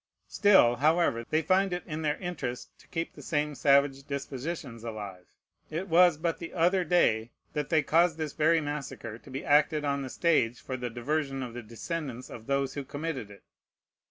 Still, however, they find it their interest to keep the same savage dispositions alive. It was but the other day that they caused this very massacre to be acted on the stage for the diversion of the descendants of those who committed it.